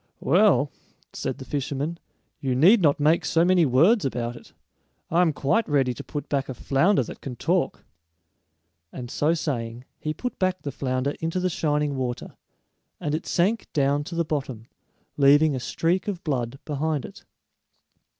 "Well," said the fisherman, "you need not make so many words about it. I am quite ready to put back a flounder that can talk." And so saying, he put back the flounder into the shining water, and it sank down to the bottom, leaving a streak of blood behind it.